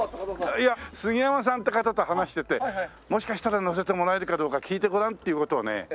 いや杉山さんって方と話しててもしかしたら乗せてもらえるかどうか聞いてごらんっていう事をね